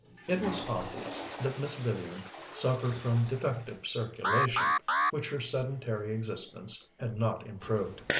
It was obvious that Miss Vivian suffered from defective circulation, which her sedentary existence had not improved.